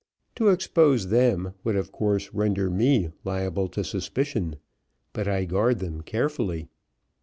To expose them would of course render me liable to suspicion but I guard them carefully.